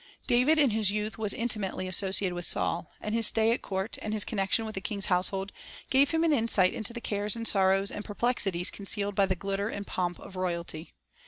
David in his youth was intimately associated with Saul, and his stay at court and his connection with the king's household gave him an insight into the cares and sorrows and perplexities concealed by the glitter and pomp of royalty.